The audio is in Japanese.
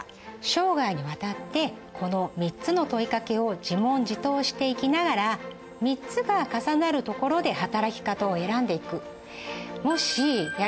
生涯にわたってこの３つの問いかけを自問自答していきながら３つが重なるところで働き方を選んでいく。